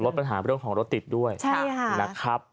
ปัญหาเรื่องของรถติดด้วยนะครับ